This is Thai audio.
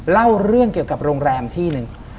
เล่าเรื่องเกี่ยวกับโรงแรมที่หนึ่ง